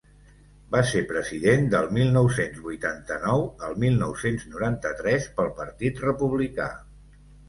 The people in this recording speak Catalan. Va ser president del mil nou-cents vuitanta-nou al mil nou-cents noranta-tres pel partit republicà.